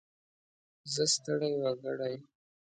زه ستړی وګړی.